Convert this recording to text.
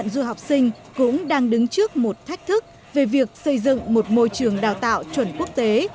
du học sinh cũng đang đứng trước một thách thức về việc xây dựng một môi trường đào tạo chuẩn quốc tế